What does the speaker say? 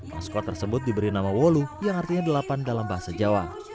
maskot tersebut diberi nama wolu yang artinya delapan dalam bahasa jawa